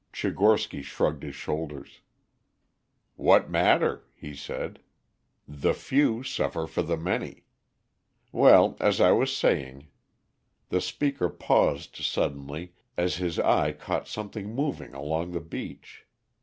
Tchigorsky shrugged his shoulders. "What matter?" he said. "The few suffer for the many. Well, as I was saying " The speaker paused suddenly as his eye caught something moving along the beach.